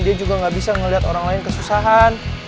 dia juga nggak bisa melihat orang lain kesusahan